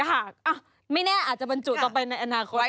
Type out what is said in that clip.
ไม่แน่อาจจะบรรจุต่อไปในอนาคต